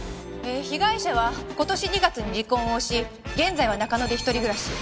被害者は今年２月に離婚をし現在は中野で一人暮らし。